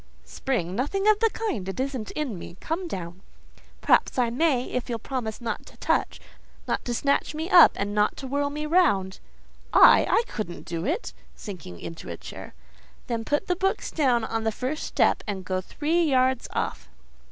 "Spring? Nothing of the kind: it isn't in me. Come down." "Perhaps I may—if you'll promise not to touch—not to snatch me up, and not to whirl me round." "I? I couldn't do it!" (sinking into a chair.) "Then put the books down on the first step, and go three yards off.